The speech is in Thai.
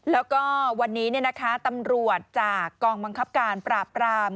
แล้วก็วันนี้ตำรวจจากกองบังคับการปราบปราม